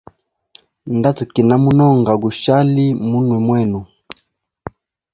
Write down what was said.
Nda tukina munonga gushali munwe mwenu.